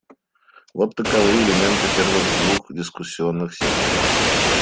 Вот таковы элементы первых двух дискуссионных секций.